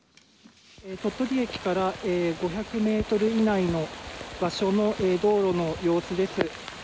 鳥取駅から５００メートル以内の場所の道路の様子です。